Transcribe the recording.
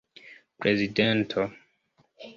prezidento